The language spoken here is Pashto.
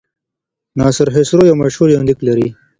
ناصر خسرو یو مشهور یونلیک لري.